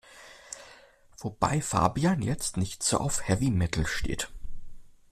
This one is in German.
Wobei Fabian jetzt nicht so auf Heavy Metal steht.